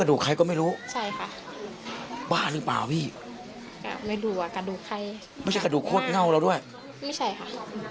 กระดูกนวงใช้ก็เอาไปรอยแอ้งขั้นล่ะค่ะ